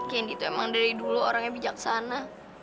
kendi itu emang dari dulu orangnya bijaksana